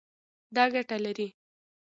دا ګټه لري